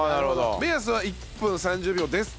目安は１分３０秒です。